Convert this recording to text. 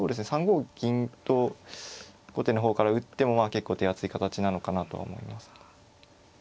３五銀と後手の方から打ってもまあ結構手厚い形なのかなとは思います。